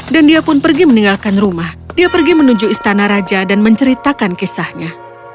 dan dia pun pergi meninggalkan rumah dia pergi menuju istana raja dan menceritakan kisahnya